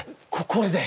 ここれで。